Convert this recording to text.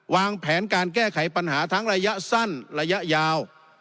วางแผนการแก้ไขปัญหาทั้งระยะสั้นระยะยาว